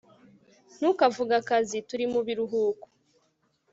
ntukavuge akazi. turi mu biruhuko